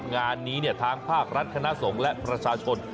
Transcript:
ว่างานนี้เนี่ยฐานพากรัฐคณะสงฆ์และประชาชน